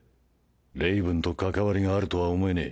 レイブンと関わりがあるとは思えねえ。